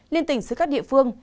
liên tình xứ các địa phương